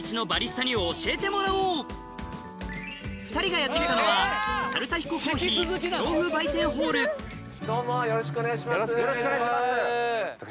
２人がやって来たのはよろしくお願いします。